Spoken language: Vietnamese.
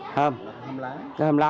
thơm thơm lá